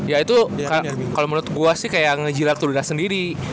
ya itu kalo menurut gue sih kayak ngejilak tulis sendiri